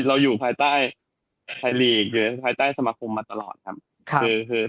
เราอยู่ภายใต้ไทยลีกหรือภายใต้สมาคมมาตลอดครับ